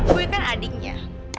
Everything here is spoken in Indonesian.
gue kan adiknya